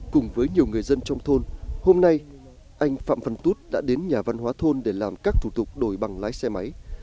cùng với nhiều người dân trong thôn hôm nay anh phạm văn tú đã đến nhà văn hóa thôn để làm các thủ tục đổi bằng lái xe máy